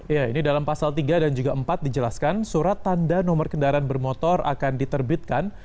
ya ini dalam pasal tiga dan juga empat dijelaskan surat tanda nomor kendaraan bermotor akan diterbitkan